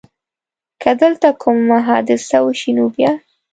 که دلته کومه حادثه وشي نو بیا؟